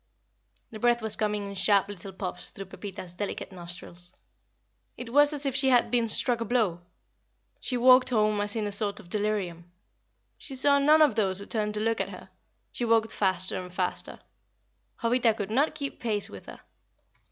The breath was coming in sharp little puffs through Pepita's delicate nostrils. It was as if she had been struck a blow. She walked home as in a sort of delirium; she saw none of those who turned to look at her. She walked faster and faster. Jovita could not keep pace with her.